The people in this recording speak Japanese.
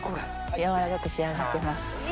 軟らかく仕上がってます。